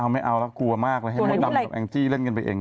เอาไม่เอาแล้วกลัวมากเลยให้มดดำกับแองจี้เล่นกันไปเอง